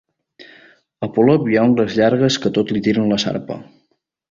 A Polop hi ha ungles llargues que a tot li tiren la sarpa.